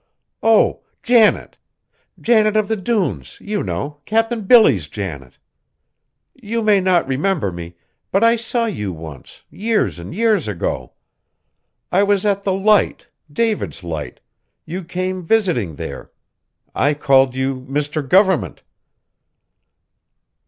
"Oh! Janet. Janet of the Dunes, you know, Cap'n Billy's Janet. You may not remember me, but I saw you once, years and years ago. I was at the Light, David's Light; you came visiting there. I called you Mr. Government!"